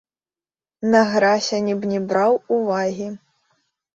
На гразь ані б не браў увагі.